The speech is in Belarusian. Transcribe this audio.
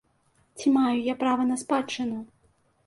Ці маю я права на спадчыну?